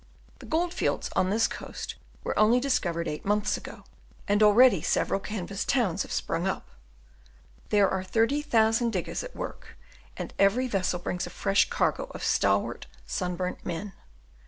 The gold fields on this coast were only discovered eight months ago, and already several canvas towns have sprung up; there are thirty thousand diggers at work, and every vessel brings a fresh cargo of stalwart, sun burnt men.